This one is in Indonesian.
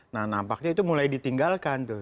nah nampaknya itu mulai ditinggalkan tuh